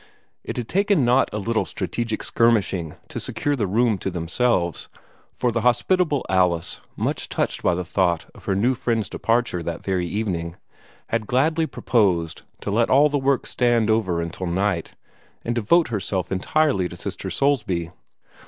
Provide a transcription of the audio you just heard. It had taken not a little strategic skirmishing to secure the room to themselves for the hospitable Alice, much touched by the thought of her new friend's departure that very evening had gladly proposed to let all the work stand over until night, and devote herself entirely to Sister Soulsby.